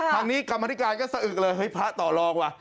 ทางนี้กรรมธิการก็สะอึกเลยเฮ้ยพระต่อรองว่ะ